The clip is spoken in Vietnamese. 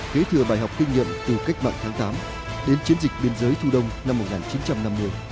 kế thừa bài học kinh nghiệm từ cách mạng tháng tám đến chiến dịch biên giới thu đông năm một nghìn chín trăm năm mươi